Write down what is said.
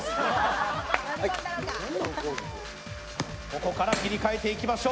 ここから切り替えていきましょう。